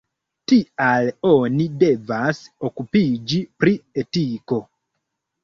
Tial oni devas okupiĝi pri etiko.